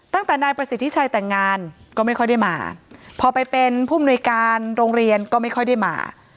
ตั้งแต่นายประสิทธิชัยแต่งงานก็ไม่ค่อยได้มาพอไปเป็นผู้มนุยการโรงเรียนก็ไม่ค่อยได้มา